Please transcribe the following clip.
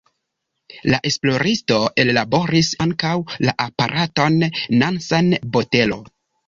La esploristo ellaboris ankaŭ la aparaton Nansen-botelo.